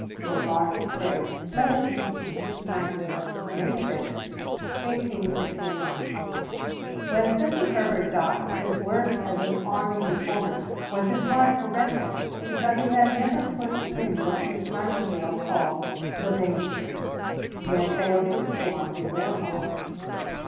SIR BARTLE FRERE (Letter to Miss Nightingale, May 6, 1869). When Sidney Herbert died, his work as an army reformer was in part arrested because he had never put in what Miss Nightingale called "the main spring." He had failed to reform the War Office.